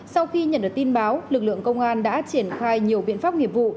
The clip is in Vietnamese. sau khi nhận được tin báo lực lượng công an đã triển khai nhiều biện pháp nghiệp vụ